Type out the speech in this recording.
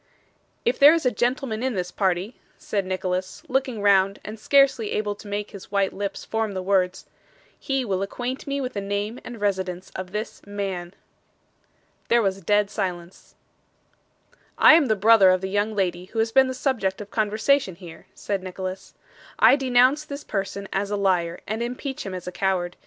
'If there is a gentleman in this party,' said Nicholas, looking round and scarcely able to make his white lips form the words, 'he will acquaint me with the name and residence of this man.' There was a dead silence. 'I am the brother of the young lady who has been the subject of conversation here,' said Nicholas. 'I denounce this person as a liar, and impeach him as a coward.